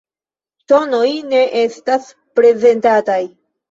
Tonoj ne estas prezentataj.